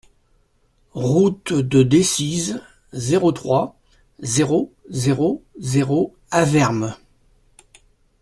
Route de Decize, zéro trois, zéro zéro zéro Avermes